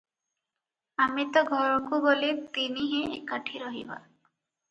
ଆମେ ତ ଘରକୁ ଗଲେ ତିନିହେଁ ଏକାଠି ରହିବା ।